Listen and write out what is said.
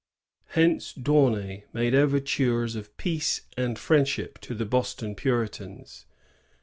Hence D'Aunay made overtures of peace and friendship to the Boston Puritans.